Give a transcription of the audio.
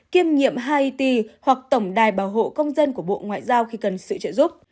kiêm nhiệm hait hoặc tổng đài bảo hộ công dân của bộ ngoại giao khi cần sự trợ giúp